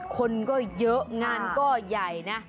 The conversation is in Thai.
คนก็เยอะงานก็ใหญ่นะ